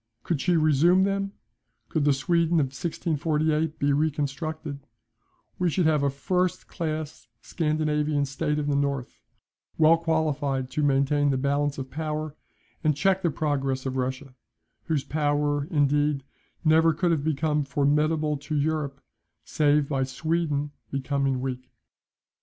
Could she resume them, could the Sweden of 1648 be reconstructed, we should have a first class Scandinavian State in the North, well qualified to maintain the balance of power, and check the progress of Russia; whose power, indeed, never could have become formidable to Europe, save by Sweden becoming weak.